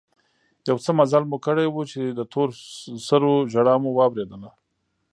يو څه مزل مو کړى و چې د تور سرو ژړا مو واورېدل.